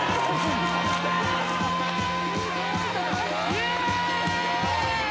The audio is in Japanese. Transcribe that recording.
イエーイ！